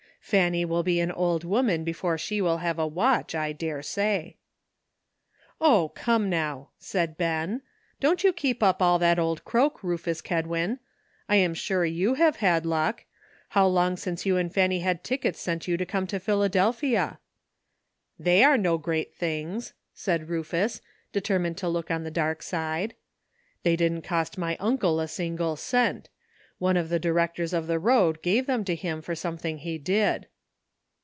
Fanny will be an old woman before she will have a watch, I dare say." "Oh! come now," said Ben, " don't you keep up that old croak, Rufus Kedwin. I am 324 ''LUCK.'' sure you have had ' luck.' How long since you and Fanny had tickets sent you to come to Philadelphia?" ''They are no great things," said Rufus, determined to look on the dark side. ''They didn't cost my uncle a single cent. One of the directors of the road gave them to him for something he did."